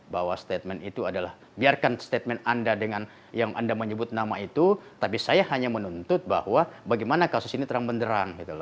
bahwa statement itu adalah biarkan statement anda dengan yang anda menyebut nama itu tapi saya hanya menuntut bahwa bagaimana kasus ini terang benderang